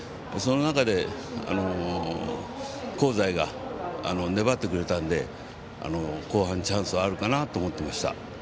その中で香西が粘ってくれたので後半チャンスがあるかなと思ってました。